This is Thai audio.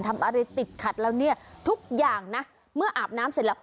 ทำอะไรติดขัดแล้วเนี่ยทุกอย่างนะเมื่ออาบน้ำเสร็จแล้ว